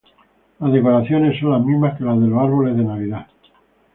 Las decoraciones son las mismas que las de los árboles de Navidad.